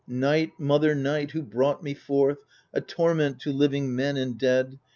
Night, Mother Night, who brought me forth, a torment To living men and dead.